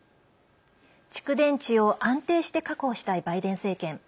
蓄電池を安定して確保したいバイデン政権。